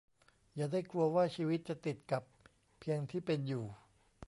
อย่าได้กลัวว่าชีวิตจะติดกับเพียงที่เป็นอยู่